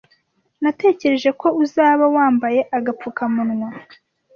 Natekereje ko uzaba wabambaye agapfukamunwa